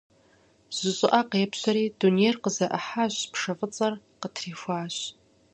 Жьы щӀыӀэ къепщэри, дунейр къызэӀыхьащ, пшэ фӀыцӀэхэр къытрихуащ.